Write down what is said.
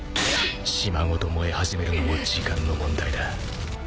島ごと燃え始めるのも時間の問題だ。